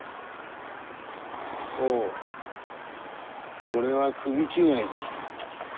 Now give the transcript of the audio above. ほうこれは首違いぞ。